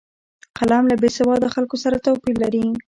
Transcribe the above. قلم له بېسواده خلکو ستر توپیر لري